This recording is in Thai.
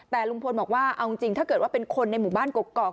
แต่ลุงพลบอกว่าเอาจริงถ้าเกิดว่าเป็นคนในหมู่บ้านกกอก